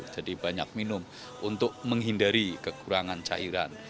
jadi banyak minum untuk menghindari kekurangan cairan